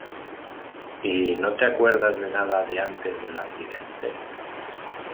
¿ y no te acuerdas de nada de antes del accidente?